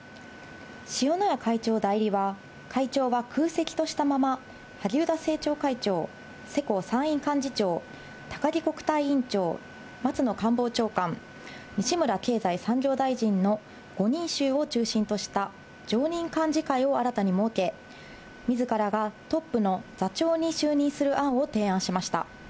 塩谷会長代理は会長は空席としたまま、萩生田政調会長、世耕参院幹事長、高木国対委員長、松野官房長官、西村経済産業大臣の五人衆を中心とした常任幹事会を新たに設け、みずからがトップの座長に就任する案を提案しました。